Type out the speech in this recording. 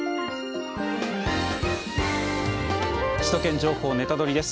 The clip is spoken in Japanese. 「首都圏情報ネタドリ！」です。